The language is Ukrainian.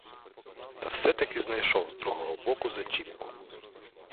Та все-таки знайшов з другого боку зачіпку.